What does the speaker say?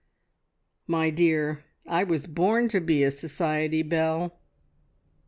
My dear, I was born to be a Society Belle!